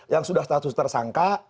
yang sudah status tersangka